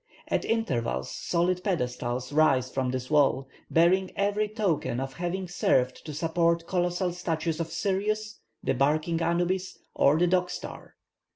At intervals solid pedestals rise from this wall, bearing every token of having served to support colossal statues of Sirius, the barking Anubis, or the Dog star.